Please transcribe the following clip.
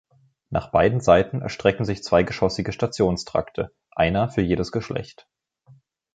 Nach beiden Seiten erstrecken sich zweigeschossige Stationstrakte, einer für jedes Geschlecht.